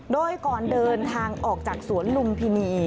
โดยก่อนเดินทางออกจากสวนลุมพินี